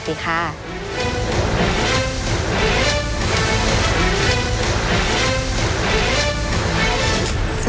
มีบีดนตรีมากกว่า